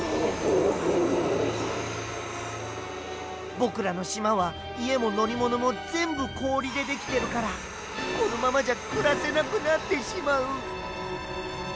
ぼくらのしまはいえものりものもぜんぶこおりでできてるからこのままじゃくらせなくなってしまう。